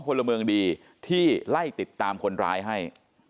พลเมืองดีที่ไล่ติดตามคนร้ายให้